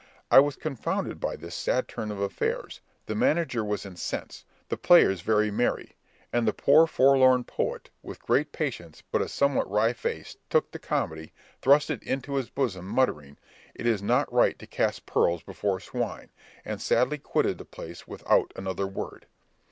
I was confounded by this sad turn of affairs, the manager was incensed, the players very merry; and the poor forlorn poet, with great patience, but a somewhat wry face, took the comedy, thrust it into his bosom, muttering, "It is not right to cast pearls before swine," and sadly quitted the place without another word.